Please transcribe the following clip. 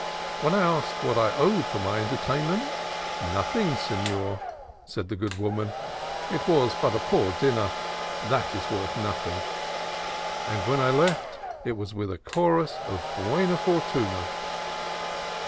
When I asked what I owed for my entertainment — "Nothing, senor," said the good woman; "it was but a poor dinner; — that is worth nothing"; and when I left, it was with a chorus of " Bucna fortuna!"